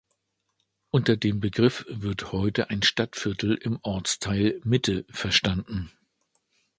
Unter dem Begriff wird heute ein Stadtviertel im Ortsteil Mitte verstanden.